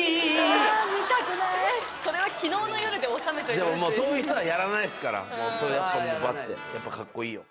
もういいそれはでもそういう人はやらないですからやっぱもうバッてやっぱカッコいいよ